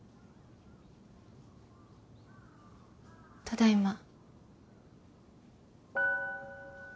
ただいま。